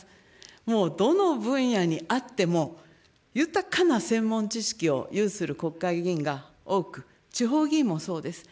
もう、どの分野にあっても、豊かな専門知識を有する国会議員が多く、地方議員もそうです。